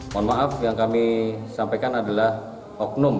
mohon maaf yang kami sampaikan adalah oknum